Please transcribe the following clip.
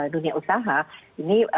dunia usaha ini